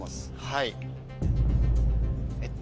はい。